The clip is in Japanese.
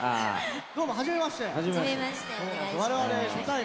どうも、はじめまして。